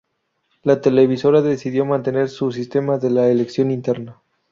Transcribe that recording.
La televisora decidió mantener su sistema de la elección interna.